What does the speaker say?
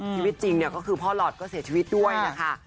จริงเนี่ยก็คือพ่อหลอดก็เสียชีวิตด้วยนะคะ